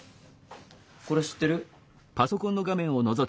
これ知ってる？